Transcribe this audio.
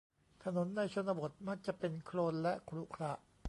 ถนนในชนบทมักจะเป็นโคลนและขรุขระ